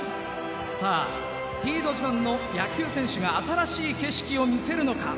さあスピード自慢の野球選手が新しい景色を見せるのか。